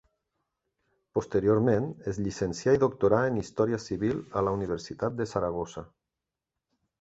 Posteriorment, es llicencià i doctorà en Història Civil a la Universitat de Saragossa.